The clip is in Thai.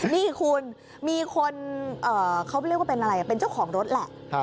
นี่คุณมีคนเขาเรียกว่าเป็นอะไรเป็นเจ้าของรถแหละ